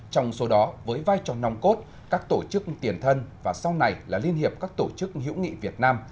trong số đó với vai trò nòng cốt các tổ chức tiền thân và sau này là liên hiệp các tổ chức hữu nghị việt nam